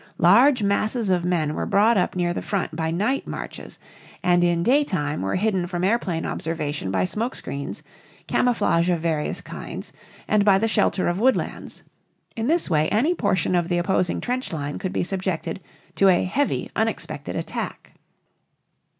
Large masses of men were brought up near the front by night marches, and in daytime were hidden from airplane observation by smoke screens, camouflage of various kinds, and by the shelter of woodlands. In this way any portion of the opposing trench line could be subjected to a heavy, unexpected attack.